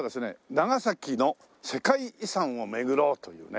長崎の世界遺産を巡ろうというね。